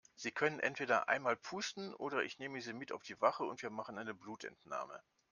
Sie können entweder einmal pusten oder ich nehme Sie mit auf die Wache und wir machen eine Blutentnahme.